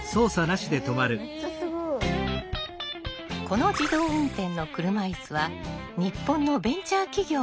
この自動運転の車いすは日本のベンチャー企業が開発。